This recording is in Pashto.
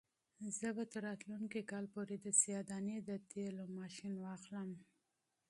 زه به تر راتلونکي کال پورې د سیاه دانې د تېلو ماشین واخلم.